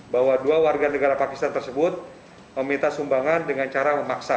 bahwa dua warga negara pakistan tersebut meminta sumbangan dengan cara memaksa